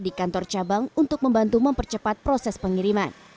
di kantor cabang untuk membantu mempercepat proses pengiriman